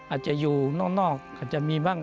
อาจจะอยู่นอกอาจจะมีบ้าง